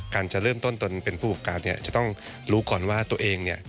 การจะเริ่มต้นเป็นผู้อัพการจะต้องรู้ก่อนว่าตัวเอง